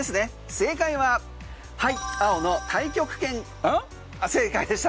正解は青の太極拳が正解でした。